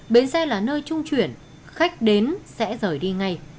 bến xe là nơi trung chuyển khách đến sẽ rời đi ngay